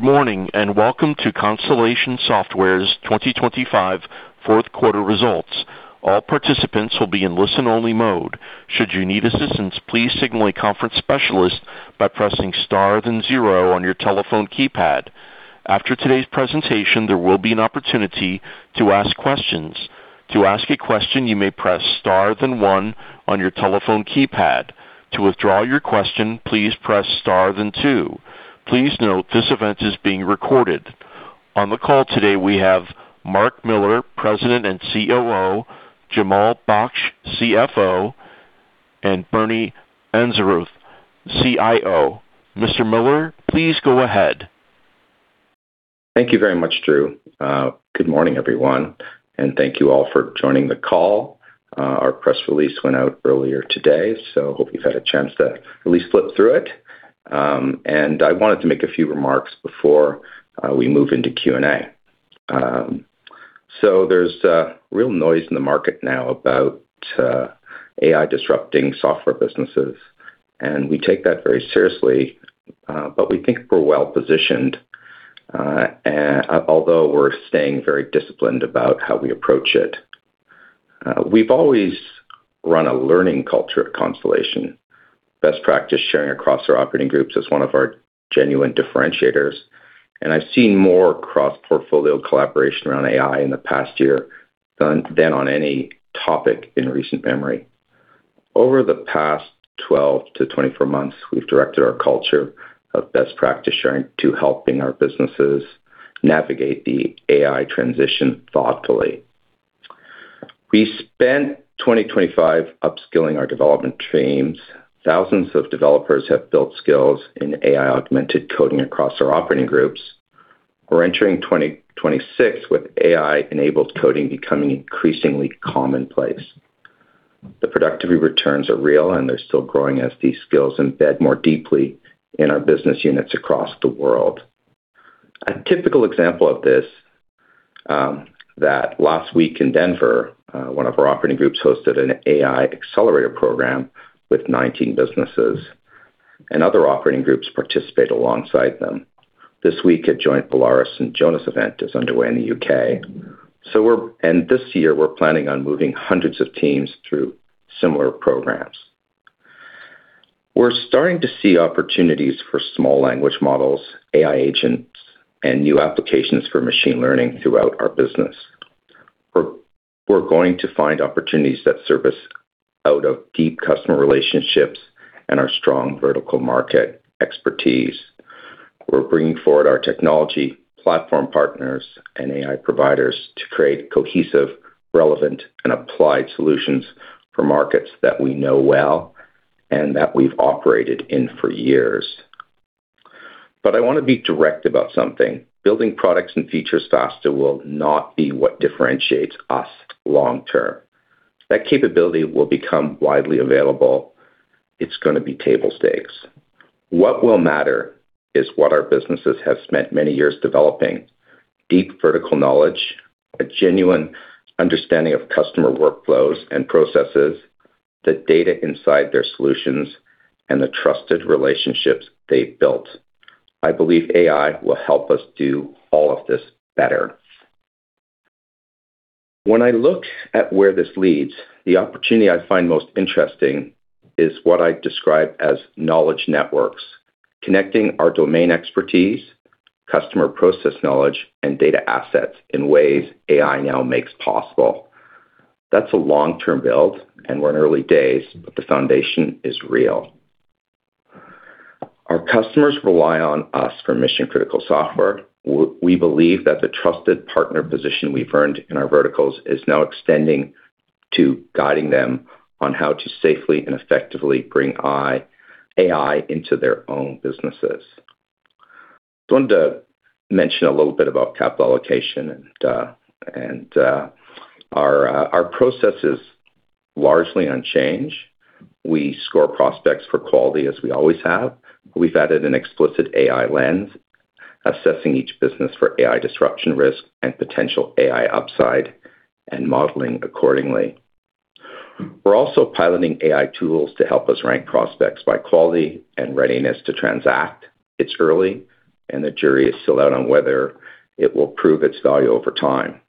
Good morning, welcome to Constellation Software's 2025 fourth quarter results. All participants will be in listen-only mode. Should you need assistance, please signal a conference specialist by pressing Star then zero on your telephone keypad. After today's presentation, there will be an opportunity to ask questions. To ask a question, you may press Star then one on your telephone keypad. To withdraw your question, please press Star then two. Please note this event is being recorded. On the call today, we have Mark Miller, President and COO, Jamal Baksh, CFO, and Bernie Anzarouth, CIO. Mr. Miller, please go ahead. Thank you very much, Drew. Good morning, everyone, and thank you all for joining the call. Our press release went out earlier today, so hope you've had a chance to at least flip through it. I wanted to make a few remarks before we move into Q&A. There's real noise in the market now about AI disrupting software businesses, and we take that very seriously. We think we're well-positioned. Although we're staying very disciplined about how we approach it. We've always run a learning culture at Constellation. Best practice sharing across our operating groups is one of our genuine differentiators, and I've seen more cross-portfolio collaboration around AI in the past year than on any topic in recent memory. Over the past 12 to 24 months, we've directed our culture of best practice sharing to helping our businesses navigate the AI transition thoughtfully. We spent 2025 upskilling our development teams. Thousands of developers have built skills in AI-augmented coding across our operating groups. We're entering 2026 with AI-enabled coding becoming increasingly commonplace. The productivity returns are real. They're still growing as these skills embed more deeply in our business units across the world. A typical example of this, that last week in Denver, one of our operating groups hosted an AI accelerator program with 19 businesses and other operating groups participate alongside them. This week, a joint Volaris and Jonas event is underway in the U.K. This year, we're planning on moving hundreds of teams through similar programs. We're starting to see opportunities for small language models, AI agents, and new applications for machine learning throughout our business. We're going to find opportunities that service out of deep customer relationships and our strong vertical market expertise. We're bringing forward our technology platform partners and AI providers to create cohesive, relevant, and applied solutions for markets that we know well and that we've operated in for years. I wanna be direct about something. Building products and features faster will not be what differentiates us long term. That capability will become widely available. It's gonna be table stakes. What will matter is what our businesses have spent many years developing: deep vertical knowledge, a genuine understanding of customer workflows and processes, the data inside their solutions, and the trusted relationships they've built. I believe AI will help us do all of this better. When I look at where this leads, the opportunity I find most interesting is what I describe as knowledge networks, connecting our domain expertise, customer process knowledge, and data assets in ways AI now makes possible. That's a long-term build, and we're in early days, but the foundation is real. Our customers rely on us for mission-critical software. We believe that the trusted partner position we've earned in our verticals is now extending to guiding them on how to safely and effectively bring AI into their own businesses. Wanted to mention a little bit about capital allocation and our process is largely unchanged. We score prospects for quality as we always have. We've added an explicit AI lens, assessing each business for AI disruption risk and potential AI upside and modeling accordingly. We're also piloting AI tools to help us rank prospects by quality and readiness to transact. It's early, and the jury is still out on whether it will prove its value over time.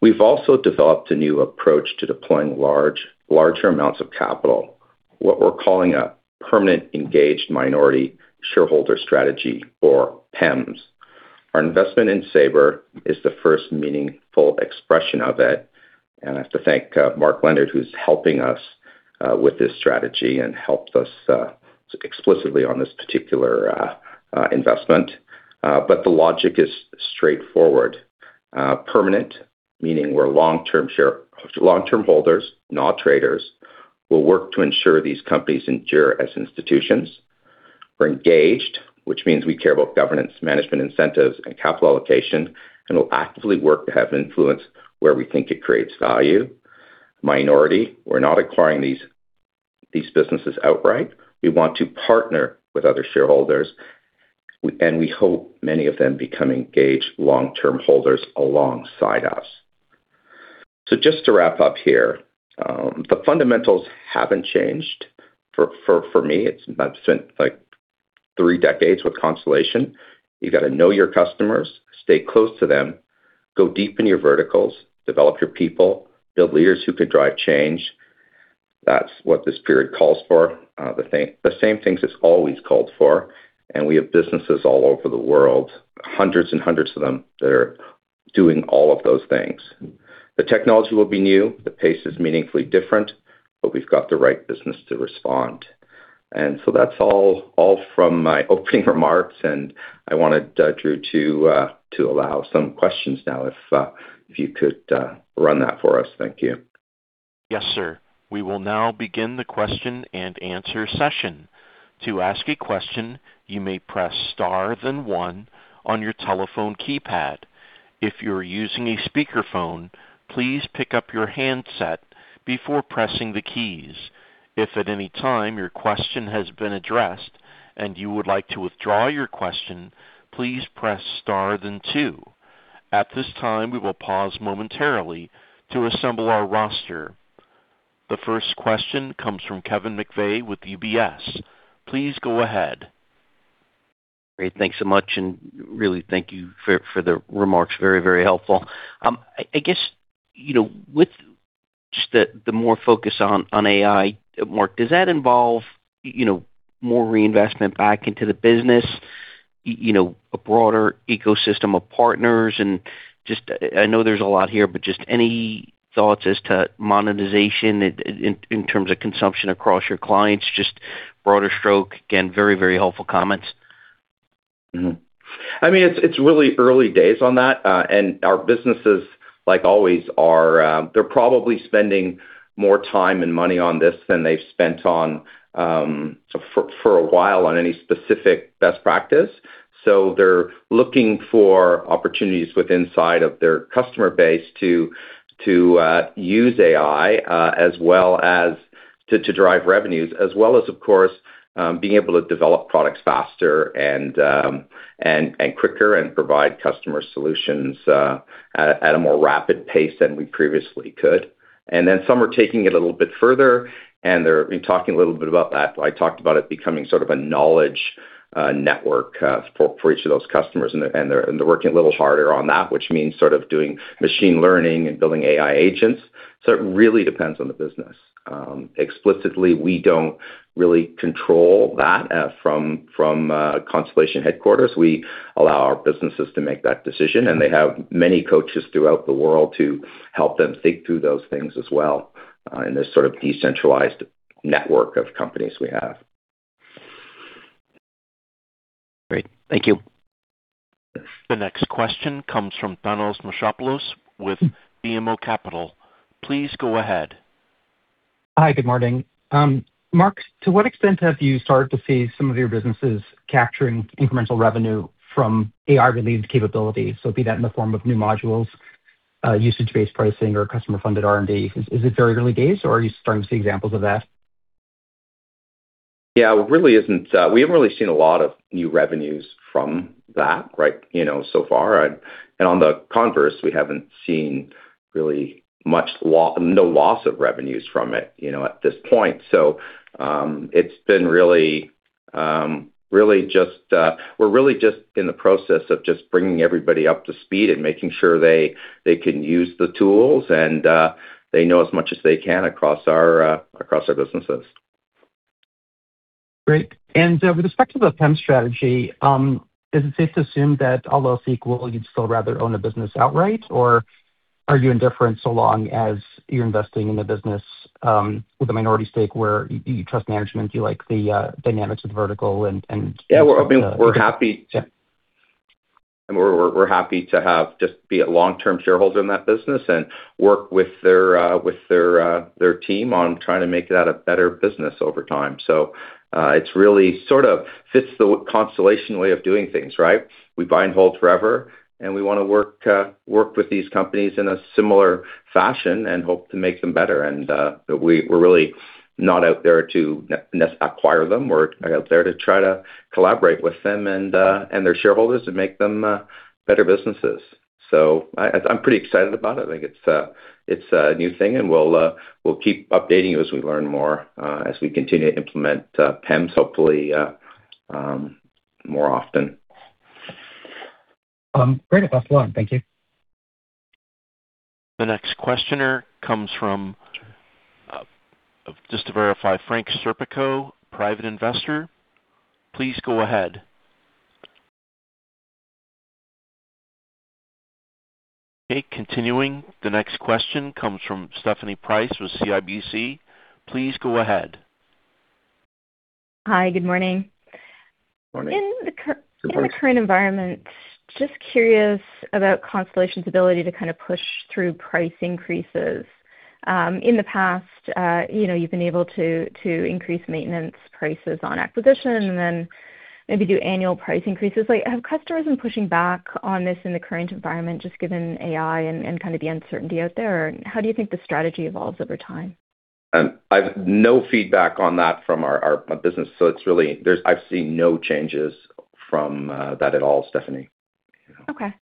We've also developed a new approach to deploying larger amounts of capital, what we're calling a permanent engaged minority shareholder strategy or PEMS. Our investment in Sabre is the first meaningful expression of it, and I have to thank Mark Leonard, who's helping us with this strategy and helped us explicitly on this particular investment. The logic is straightforward. Permanent, meaning we're long-term holders, not traders. We'll work to ensure these companies endure as institutions. We're engaged, which means we care about governance, management incentives, and capital allocation, and we'll actively work to have influence where we think it creates value. Minority, we're not acquiring these businesses outright. We want to partner with other shareholders, we hope many of them become engaged long-term holders alongside us. Just to wrap up here, the fundamentals haven't changed for me. It's been like three decades with Constellation. You got to know your customers, stay close to them, go deep in your verticals, develop your people, build leaders who could drive change. That's what this period calls for. The same things it's always called for. We have businesses all over the world, hundreds and hundreds of them that are doing all of those things. The technology will be new. The pace is meaningfully different, we've got the right business to respond. That's all from my opening remarks, and I wanted Drew, to allow some questions now, if you could run that for us. Thank you. Yes, sir. We will now begin the question-and-answer session. To ask a question, you may press Star one on your telephone keypad. If you're using a speakerphone, please pick up your handset before pressing the keys. If at any time your question has been addressed and you would like to withdraw your question, please press Star two. At this time, we will pause momentarily to assemble our roster. The first question comes from Kevin McVeigh with UBS. Please go ahead. Great. Thanks so much. Really thank you for the remarks. Very, very helpful. I guess, you know, with just the more focus on AI, Mark, does that involve, you know, more reinvestment back into the business, you know, a broader ecosystem of partners? Just I know there's a lot here, but just any thoughts as to monetization in terms of consumption across your clients, just broader stroke? Again, very, very helpful comments. I mean, it's really early days on that. Our businesses, like always, are, they're probably spending more time and money on this than they've spent on for a while on any specific best practice. They're looking for opportunities with inside of their customer base to use AI as well as to drive revenues as well as, of course, being able to develop products faster and quicker and provide customer solutions at a more rapid pace than we previously could. Some are taking it a little bit further, and they're talking a little bit about that. I talked about it becoming sort of a knowledge network for each of those customers. They're working a little harder on that, which means sort of doing machine learning and building AI agents. It really depends on the business. Explicitly, we don't really control that from Constellation headquarters. We allow our businesses to make that decision, and they have many coaches throughout the world to help them think through those things as well in this sort of decentralized network of companies we have. Great. Thank you. The next question comes from Thanos Moschopoulos with BMO Capital. Please go ahead. Hi. Good morning. Mark, to what extent have you started to see some of your businesses capturing incremental revenue from AI-related capabilities, so be that in the form of new modules, usage-based pricing, or customer-funded R&D? Is it very early days, or are you starting to see examples of that? Yeah, it really isn't. We haven't really seen a lot of new revenues from that, right, you know, so far. On the converse, we haven't seen really much no loss of revenues from it, you know, at this point. It's been really, really just, we're really just in the process of just bringing everybody up to speed and making sure they can use the tools and they know as much as they can across our across our businesses. Great. With respect to the PEMS strategy, is it safe to assume that all else equal, you'd still rather own a business outright, or are you indifferent so long as you're investing in the business, with a minority stake where you trust management, you like the dynamics of the vertical and? Yeah. Well, I mean, we're happy- Yeah. We're happy to have just be a long-term shareholder in that business and work with their, with their team on trying to make that a better business over time. It's really sort of fits the Constellation way of doing things, right? We buy and hold forever, and we wanna work with these companies in a similar fashion and hope to make them better. We're really not out there to acquire them. We're out there to try to collaborate with them and their shareholders to make them better businesses. I'm pretty excited about it. I think it's a new thing, we'll keep updating you as we learn more as we continue to implement PEMS hopefully more often. Great. Thanks a lot. Thank you. The next questioner comes from, just to verify, Frank Serpico, Private Investor. Please go ahead. Okay, continuing. The next question comes from Stephanie Price with CIBC. Please go ahead. Hi. Good morning. Morning. In the cur- Go for it. In the current environment, just curious about Constellation's ability to kind of push through price increases. In the past, you know, you've been able to increase maintenance prices on acquisition and then maybe do annual price increases. Like, have customers been pushing back on this in the current environment just given AI and kind of the uncertainty out there? How do you think the strategy evolves over time? I've no feedback on that from our business, so I've seen no changes from that at all, Stephanie. Okay.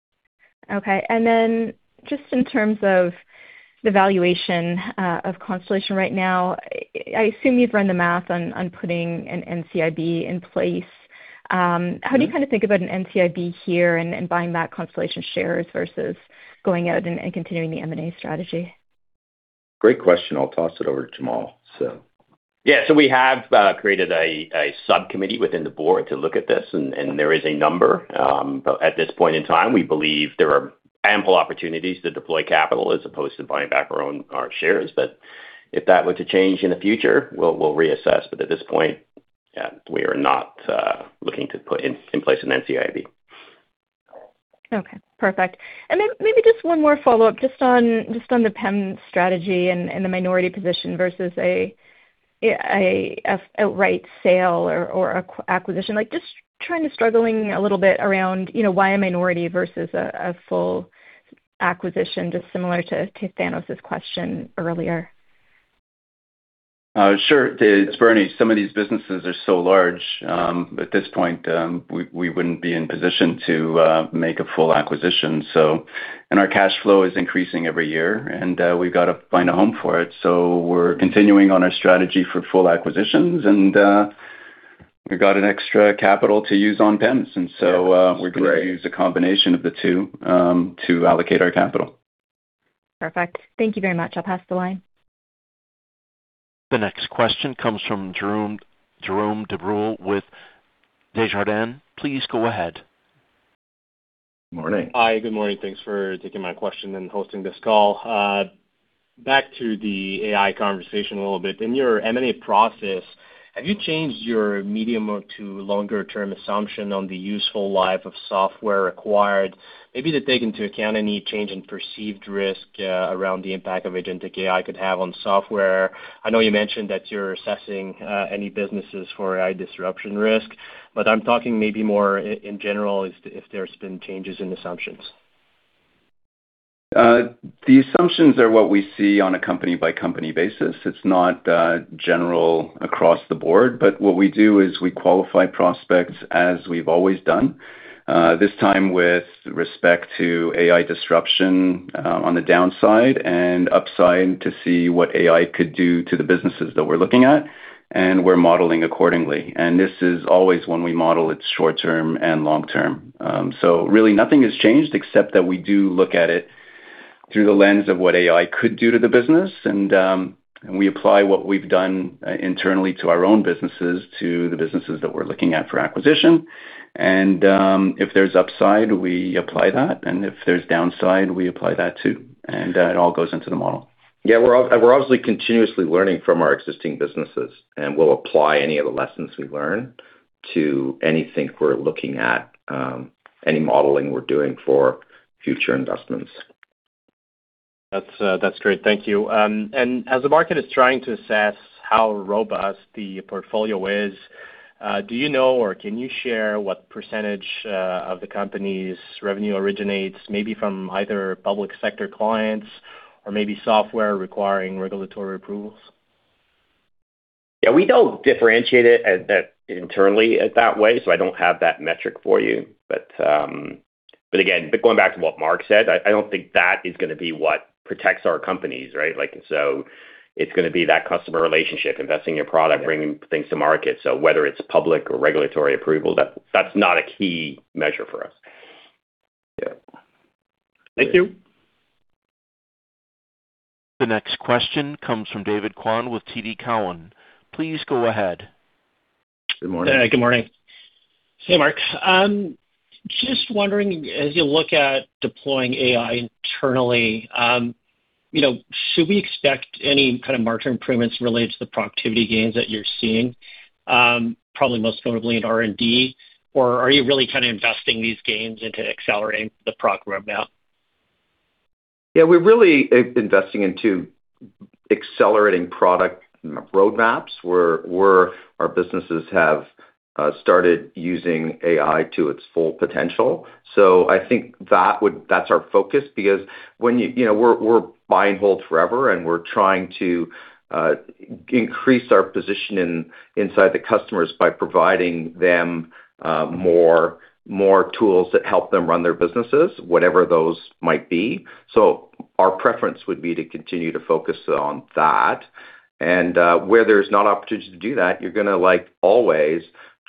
Okay. Just in terms of the valuation, of Constellation right now, I assume you've run the math on putting an NCIB in place. How do you kind of think about an NCIB here and buying back Constellation shares versus going out and continuing the M&A strategy? Great question. I'll toss it over to Jamal. Yeah. We have created a subcommittee within the board to look at this, and there is a number. At this point in time, we believe there are ample opportunities to deploy capital as opposed to buying back our shares. If that were to change in the future, we'll reassess. At this point, yeah, we are not looking to put in place an NCIB. Okay. Perfect. Then maybe just one more follow-up just on, just on the PEMS strategy and, the minority position versus a outright sale or acquisition. Like, Struggling a little bit around, you know, why a minority versus a full acquisition, just similar to Thanos' question earlier? Sure. It's Bernie. Some of these businesses are so large, at this point, we wouldn't be in position to make a full acquisition, so. Our cash flow is increasing every year, we've got to find a home for it. We're continuing on our strategy for full acquisitions, we've got an extra capital to use on PEMS. We're going to use a combination of the two, to allocate our capital. Perfect. Thank you very much. I'll pass the line. The next question comes from Jérome, Jérome Dubreuil with Desjardins. Please go ahead. Morning. Hi. Good morning. Thanks for taking my question and hosting this call. Back to the AI conversation a little bit. In your M&A process, have you changed your medium or to longer term assumption on the useful life of software acquired, maybe to take into account any change in perceived risk around the impact of agentic AI could have on software? I know you mentioned that you're assessing any businesses for AI disruption risk, but I'm talking maybe more in general if there's been changes in assumptions. The assumptions are what we see on a company-by-company basis. It's not general across the board. What we do is we qualify prospects as we've always done, this time with respect to AI disruption, on the downside and upside to see what AI could do to the businesses that we're looking at, and we're modeling accordingly. This is always when we model, it's short term and long term. Really nothing has changed except that we do look at it through the lens of what AI could do to the business, and we apply what we've done internally to our own businesses to the businesses that we're looking at for acquisition. If there's upside, we apply that, and if there's downside, we apply that too. It all goes into the model. Yeah. We're obviously continuously learning from our existing businesses, and we'll apply any of the lessons we learn to anything we're looking at, any modeling we're doing for future investments. That's great. Thank you. As the market is trying to assess how robust the portfolio is, do you know or can you share what percentage of the company's revenue originates maybe from either public sector clients or maybe software requiring regulatory approvals? We don't differentiate it at that internally at that way, so I don't have that metric for you. Again, going back to what Mark said, I don't think that is gonna be what protects our companies, right? It's gonna be that customer relationship, investing in product, bringing things to market. Whether it's public or regulatory approval, that's not a key measure for us. Thank you. The next question comes from David Kwan with TD Cowen. Please go ahead. Good morning. Yeah. Good morning. Hey, Mark. Just wondering, as you look at deploying AI internally, you know, should we expect any kind of margin improvements related to the productivity gains that you're seeing, probably most notably in R&D? Are you really kind of investing these gains into accelerating the product roadmap? We're really investing into accelerating product roadmaps, where our businesses have started using AI to its full potential. I think that's our focus because when you... You know, we're buy and hold forever, we're trying to increase our position inside the customers by providing them more tools that help them run their businesses, whatever those might be. Our preference would be to continue to focus on that. Where there's not opportunity to do that, you're gonna, like, always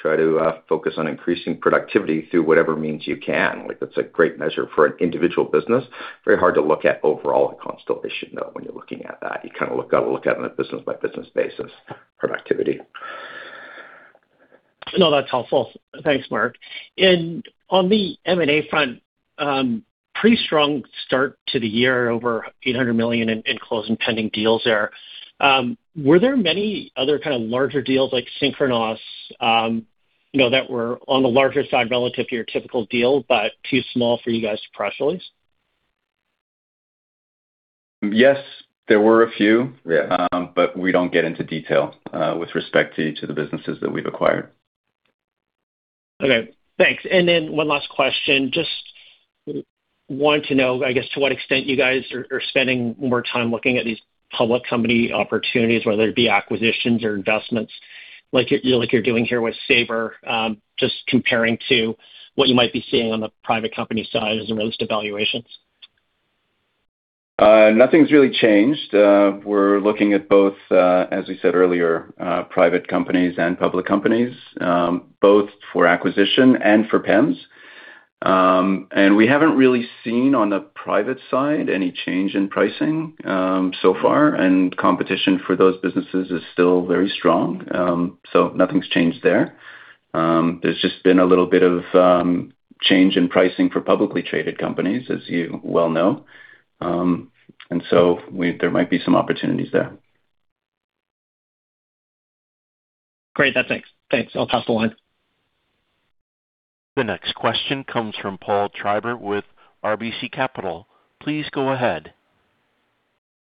try to focus on increasing productivity through whatever means you can. That's a great measure for an individual business. Very hard to look at overall at Constellation, though, when you're looking at that. You kind of gotta look at it on a business-by-business basis, productivity. No, that's helpful. Thanks, Mark. On the M&A front, pretty strong start to the year, over 800 million in close and pending deals there. Were there many other kind of larger deals like Synchronoss, you know, that were on the larger side relative to your typical deal, but too small for you guys to press release? Yes, there were a few. Yeah. We don't get into detail, with respect to each of the businesses that we've acquired. Okay, thanks. One last question. Just want to know, I guess, to what extent you guys are spending more time looking at these public company opportunities, whether it be acquisitions or investments like you're doing here with Sabre, just comparing to what you might be seeing on the private company side as it relates to valuations. Nothing's really changed. We're looking at both, as we said earlier, private companies and public companies, both for acquisition and for PIMS. We haven't really seen on the private side any change in pricing so far, and competition for those businesses is still very strong. Nothing's changed there. There's just been a little bit of change in pricing for publicly traded companies, as you well know. There might be some opportunities there. Great. That's it. Thanks. I'll pass the line. The next question comes from Paul Treiber with RBC Capital. Please go ahead.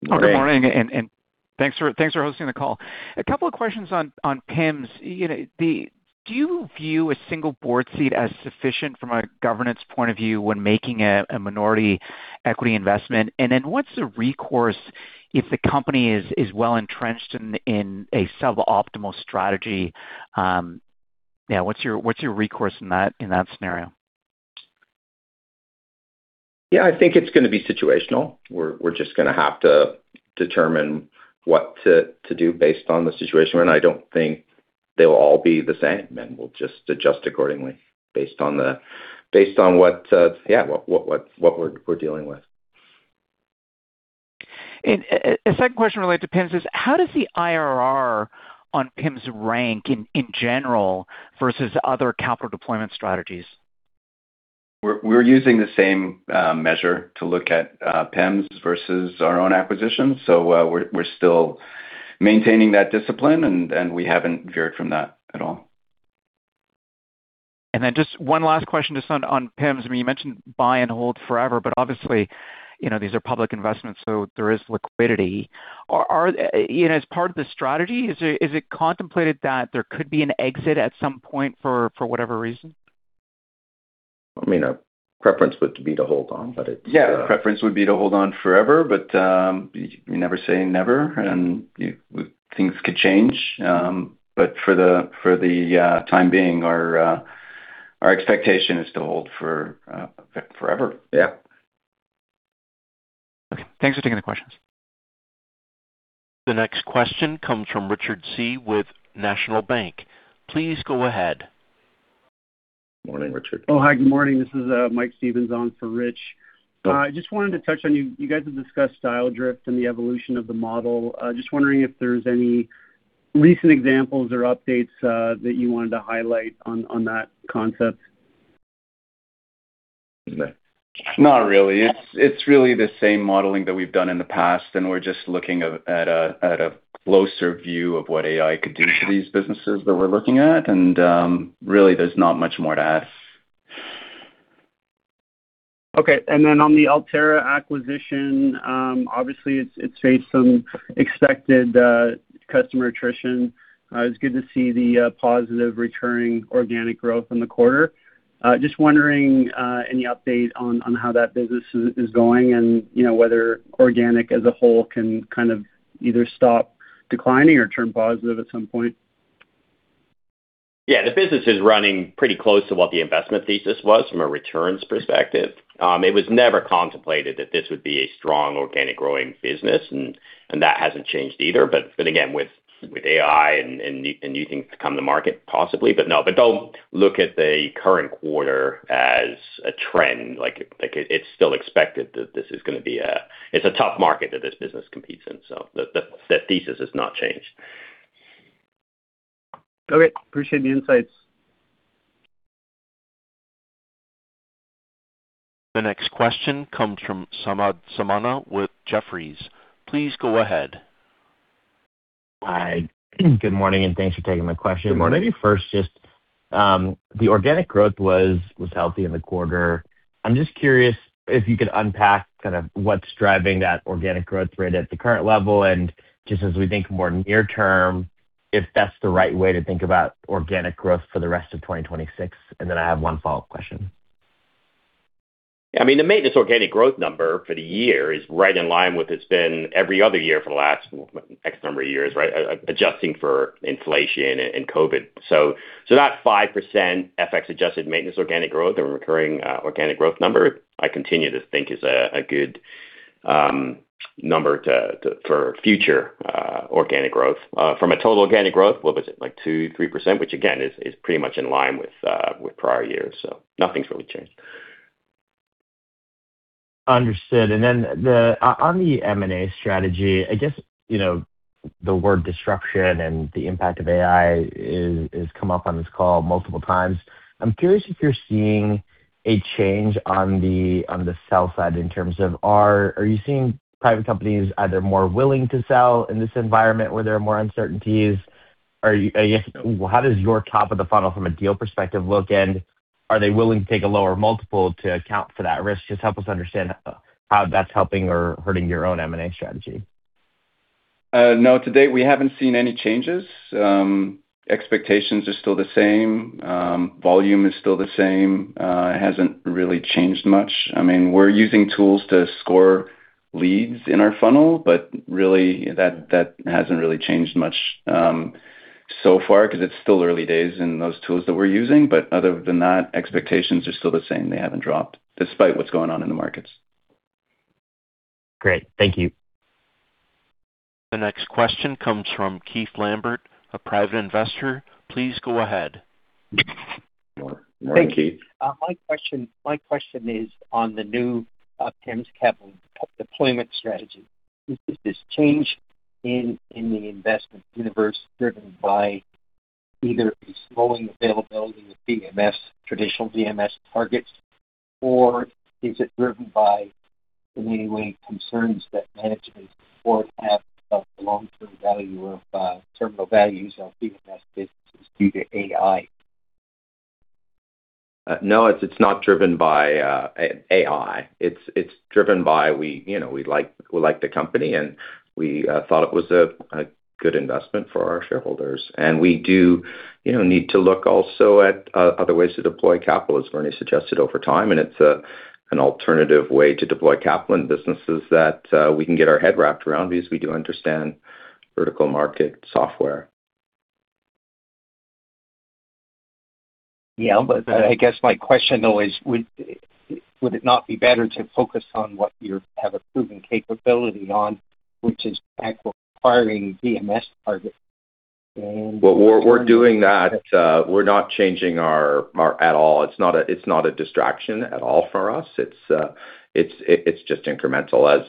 Great. Good morning, and thanks for hosting the call. A couple of questions on PIMS. You know, do you view a single board seat as sufficient from a governance point of view when making a minority equity investment? What's the recourse if the company is well-entrenched in a suboptimal strategy, you know, what's your recourse in that scenario? Yeah, I think it's gonna be situational. We're just gonna have to determine what to do based on the situation, and I don't think they'll all be the same, and we'll just adjust accordingly based on what, yeah, what we're dealing with. A second question related to PIMS is how does the IRR on PIMS rank in general versus other capital deployment strategies? We're using the same measure to look at PIMS versus our own acquisitions. We're still maintaining that discipline and we haven't veered from that at all. Just one last question just on PIMS. I mean, you mentioned buy and hold forever, but obviously, you know, these are public investments, so there is liquidity. You know, as part of the strategy, is it contemplated that there could be an exit at some point for whatever reason? I mean, our preference would be to hold on, but Yeah, preference would be to hold on forever, but you never say never and things could change. For the time being, our expectation is to hold for forever. Yeah. Okay. Thanks for taking the questions. The next question comes from Richard Tse with National Bank. Please go ahead. Morning, Richard. Oh, hi, good morning. This is Mike Stevens on for Rich. Hello. Just wanted to touch on you. You guys have discussed style drift and the evolution of the model. Just wondering if there's any recent examples or updates that you wanted to highlight on that concept. Not really. It's really the same modeling that we've done in the past, and we're just looking at a closer view of what AI could do to these businesses that we're looking at. Really there's not much more to add. Okay. On the Altera acquisition, obviously it's faced some expected customer attrition. It's good to see the positive returning organic growth in the quarter. Just wondering, any update on how that business is going and, you know, whether organic as a whole can kind of either stop declining or turn positive at some point. Yeah. The business is running pretty close to what the investment thesis was from a returns perspective. It was never contemplated that this would be a strong organic growing business and that hasn't changed either. Again, with AI and new things to come to market, possibly. No, don't look at the current quarter as a trend. Like it's still expected that this is gonna be a tough market that this business competes in, so the thesis has not changed. Okay. Appreciate the insights. The next question comes from Samad Samana with Jefferies. Please go ahead. Hi. Good morning, and thanks for taking my question. Good morning. Maybe first just, the organic growth was healthy in the quarter. I'm just curious if you could unpack kind of what's driving that organic growth rate at the current level and just as we think more near term, if that's the right way to think about organic growth for the rest of 2026. Then I have one follow-up question. I mean, the maintenance organic growth number for the year is right in line with it's been every other year for the last X number of years, right? Adjusting for inflation and COVID. That 5% FX adjusted maintenance organic growth and recurring organic growth number, I continue to think is a good number to for future organic growth. From a total organic growth, what was it? Like 2%-3%, which again, is pretty much in line with prior years, so nothing's really changed. Understood. On the M&A strategy, I guess, you know, the word disruption and the impact of AI is come up on this call multiple times. I'm curious if you're seeing a change on the, on the sell side in terms of are you seeing private companies either more willing to sell in this environment where there are more uncertainties? I guess, how does your top of the funnel from a deal perspective look, and are they willing to take a lower multiple to account for that risk? Just help us understand how that's helping or hurting your own M&A strategy. No, to date, we haven't seen any changes. Expectations are still the same. Volume is still the same. It hasn't really changed much. I mean, we're using tools to score leads in our funnel, but really that hasn't really changed much, so far 'cause it's still early days in those tools that we're using. Other than that, expectations are still the same. They haven't dropped despite what's going on in the markets. Great. Thank you. The next question comes from Keith Lambert, a private investor. Please go ahead. Morning, Keith. Thank you. My question is on the new PEMS capital deployment strategy. Is this change in the investment universe driven by either the slowing availability of VMS, traditional VMS targets, or is it driven by, in any way, concerns that management or half of the long-term value of terminal values of VMS businesses due to AI? No, it's not driven by AI. It's driven by we, you know, we like the company, and we thought it was a good investment for our shareholders. We do, you know, need to look also at other ways to deploy capital, as Bernie suggested over time, and it's an alternative way to deploy capital in businesses that we can get our head wrapped around because we do understand vertical market software. Yeah. I guess my question though is would it not be better to focus on what you have a proven capability on, which is acquiring VMS targets and-? Well, we're doing that. We're not changing our at all. It's not a distraction at all for us. It's just incremental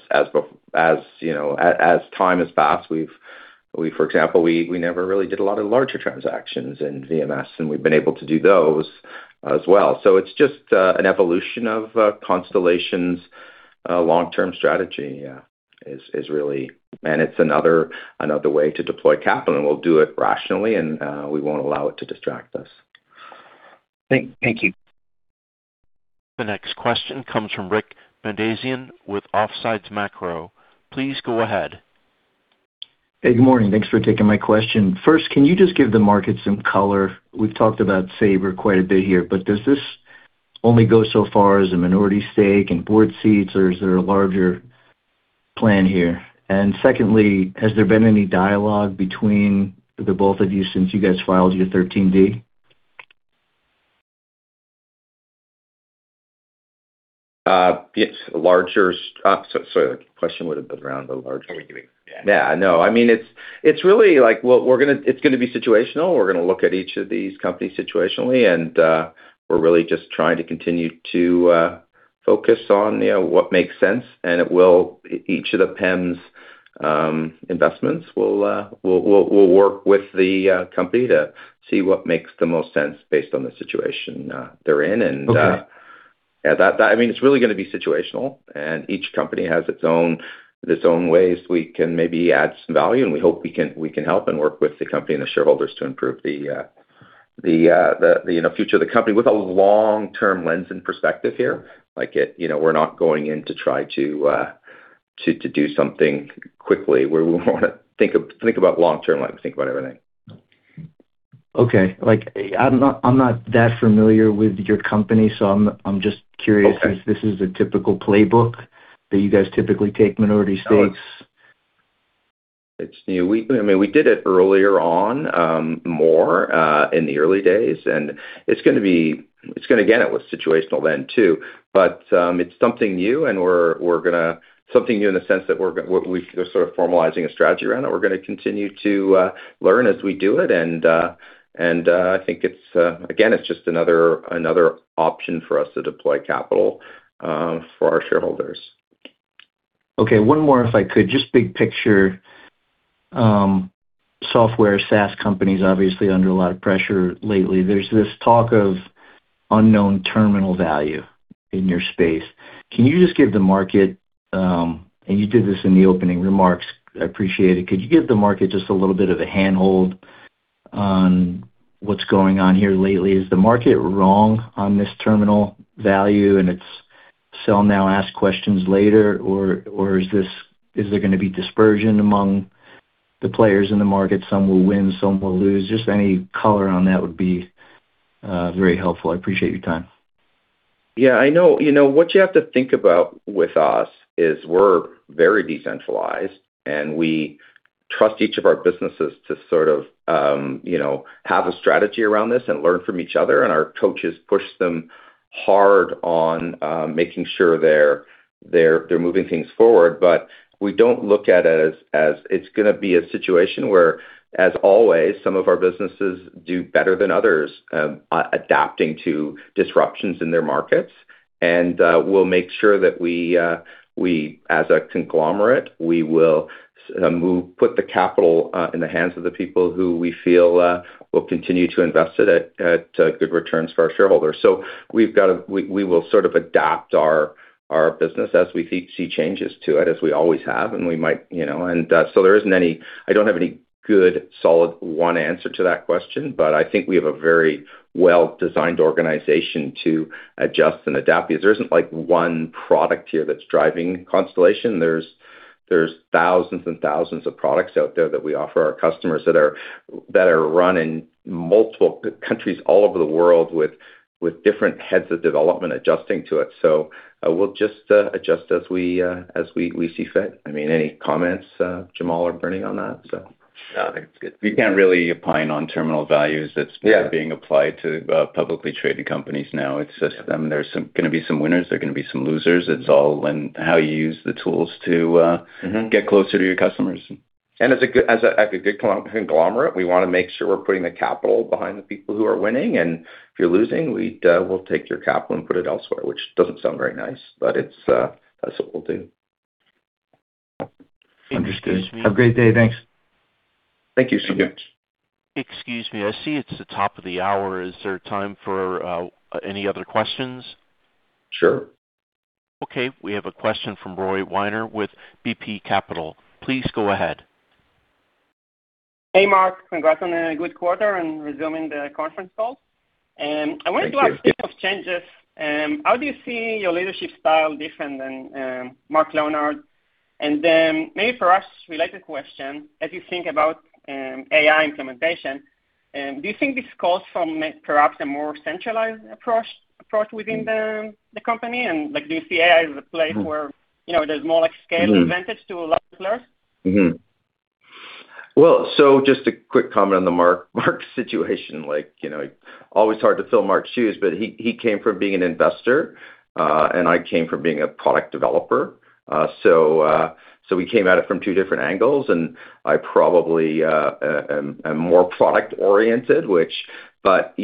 as you know, as time has passed, we, for example, we never really did a lot of larger transactions in VMS, and we've been able to do those as well. It's just an evolution of Constellation's long-term strategy, is really. It's another way to deploy capital, and we'll do it rationally and we won't allow it to distract us. Thank you. The next question comes from Rick Bandazian with Offsides Macro. Please go ahead. Hey, good morning. Thanks for taking my question. First, can you just give the market some color? We've talked about Sabre quite a bit here, but does this only go so far as a minority stake and board seats, or is there a larger plan here? Secondly, has there been any dialogue between the both of you since you guys filed your Schedule 13D? It's larger. The question would have been around the larger. Yeah. Yeah. No. I mean, it's really like, well, it's gonna be situational. We're gonna look at each of these companies situationally. We're really just trying to continue to focus on, you know, what makes sense. Each of the PEMS investments will work with the company to see what makes the most sense based on the situation they're in. Okay. Yeah, that, I mean, it's really gonna be situational. Each company has its own ways we can maybe add some value. We hope we can help and work with the company and the shareholders to improve the, you know, future of the company with a long-term lens and perspective here. Like, you know, we're not going in to try to do something quickly, where we wanna think about long term, like think about everything. Okay. Like, I'm not that familiar with your company, so I'm just curious- Okay. If this is a typical playbook that you guys typically take minority stakes. It's new. I mean, we did it earlier on, more in the early days, and it's gonna again, it was situational then too. It's something new. Something new in the sense that we're sort of formalizing a strategy around it. We're gonna continue to learn as we do it. I think it's again, it's just another option for us to deploy capital for our shareholders. Okay. One more, if I could. Just big picture, software SaaS companies obviously under a lot of pressure lately. There's this talk of unknown terminal value in your space. Can you just give the market, and you did this in the opening remarks, I appreciate it. Could you give the market just a little bit of a handhold on what's going on here lately? Is the market wrong on this terminal value and it's sell now, ask questions later? Is there gonna be dispersion among the players in the market? Some will win, some will lose. Just any color on that would be very helpful. I appreciate your time. Yeah, I know. You know, what you have to think about with us is we're very decentralized, and we trust each of our businesses to sort of, you know, have a strategy around this and learn from each other, and our coaches push them hard on making sure they're moving things forward. We don't look at it as it's gonna be a situation where, as always, some of our businesses do better than others, adapting to disruptions in their markets. We'll make sure that we, as a conglomerate, we will put the capital in the hands of the people who we feel will continue to invest it at good returns for our shareholders. We will sort of adapt our business as we see changes to it as we always have. We might, you know. I don't have any good solid one answer to that question, but I think we have a very well-designed organization to adjust and adapt because there isn't like one product here that's driving Constellation. There's thousands and thousands of products out there that we offer our customers that are run in multiple countries all over the world with different heads of development adjusting to it. We'll just adjust as we see fit. I mean, any comments, Jamal or Bernie on that? No, I think it's good. We can't really opine on terminal values... Yeah. Being applied to, publicly traded companies now. It's just, I mean, there's gonna be some winners, there are gonna be some losers. It's all in how you use the tools to get closer to your customers. As a good conglomerate, we wanna make sure we're putting the capital behind the people who are winning. If you're losing, we'll take your capital and put it elsewhere, which doesn't sound very nice, but it's that's what we'll do. Understood. Excuse me. Have a great day. Thanks. Thank you so much. Excuse me. I see it's the top of the hour. Is there time for any other questions? Sure. Okay. We have a question from Roy Weinert with BP Capital. Please go ahead. Hey, Mark. Congrats on a good quarter and resuming the conference call. Thank you. few of changes. How do you see your leadership style different than, Mark Leonard? Then maybe for us, related question, as you think about AI implementation, do you think this calls for perhaps a more centralized approach within the company? Like, do you see AI as a place where, you know, there's more like scale advantage to large players? Just a quick comment on the Mark situation. Like, you know, always hard to fill Mark's shoes, but he came from being an investor, and I came from being a product developer. So we came at it from two different angles, and I probably am more product-oriented, which that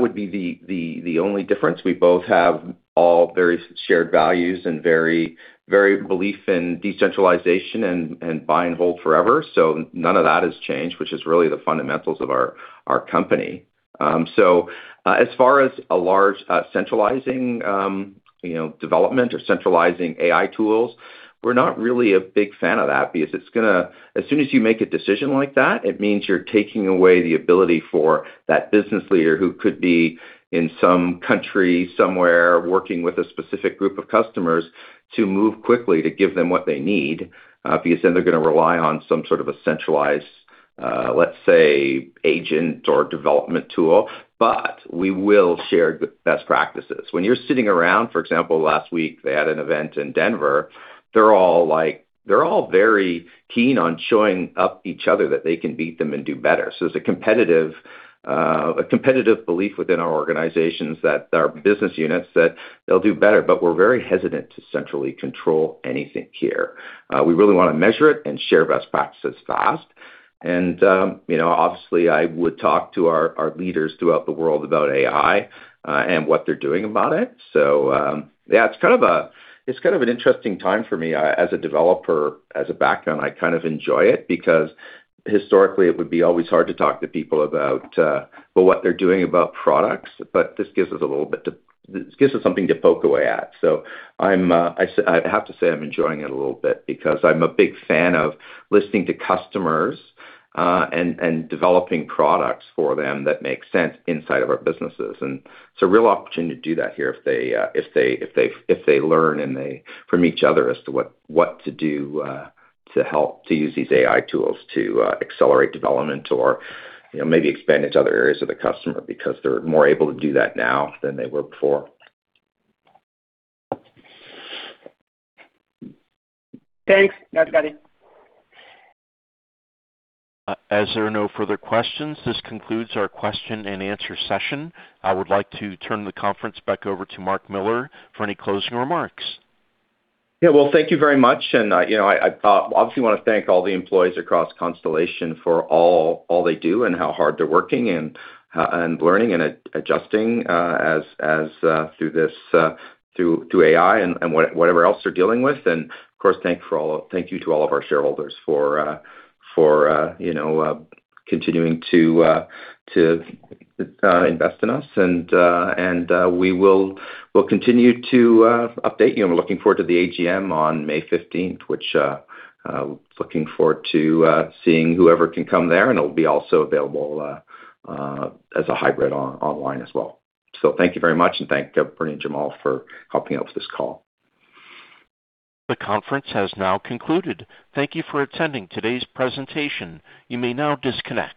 would be the only difference. We both have all very shared values and very belief in decentralization and buy and hold forever. None of that has changed, which is really the fundamentals of our company. As far as a large, centralizing, you know, development or centralizing AI tools, we're not really a big fan of that because it's gonna as soon as you make a decision like that, it means you're taking away the ability for that business leader who could be in some country somewhere working with a specific group of customers to move quickly to give them what they need, because then they're gonna rely on some sort of a centralized, let's say, agent or development tool. We will share the best practices. When you're sitting around... For example, last week they had an event in Denver. They're all very keen on showing up each other that they can beat them and do better. There's a competitive belief within our organizations that our business units, that they'll do better, but we're very hesitant to centrally control anything here. We really wanna measure it and share best practices fast. You know, obviously, I would talk to our leaders throughout the world about AI and what they're doing about it. Yeah, it's kind of an interesting time for me. As a developer, as a background, I kind of enjoy it because historically it would be always hard to talk to people about, well, what they're doing about products. This gives us something to poke away at. I'm enjoying it a little bit because I'm a big fan of listening to customers and developing products for them that make sense inside of our businesses. It's a real opportunity to do that here if they learn from each other as to what to do to help to use these AI tools to accelerate development or, you know, maybe expand into other areas of the customer because they're more able to do that now than they were before. Thanks. That's got it. As there are no further questions, this concludes our question and answer session. I would like to turn the conference back over to Mark Miller for any closing remarks. Yeah. Well, thank you very much. You know, I obviously wanna thank all the employees across Constellation for all they do and how hard they're working and learning and adjusting as through this, through AI and whatever else they're dealing with. Of course, thank you to all of our shareholders for, you know, continuing to invest in us. We'll continue to update you. We're looking forward to the AGM on May 15th, which looking forward to seeing whoever can come there, and it'll be also available as a hybrid online as well. Thank you very much, and thank Bernie and Jamal for helping out with this call. The conference has now concluded. Thank you for attending today's presentation. You may now disconnect.